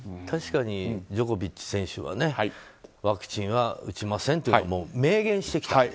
確かに、ジョコビッチ選手はワクチンは打ちませんと明言してきた。